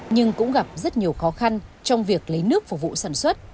nhưng cũng gặp rất nhiều khó khăn trong việc lấy nước phục vụ sản xuất